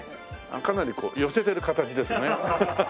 かなりこう寄せてる形ですね。